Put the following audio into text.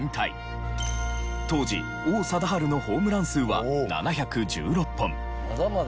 当時王貞治のホームラン数は７１６本。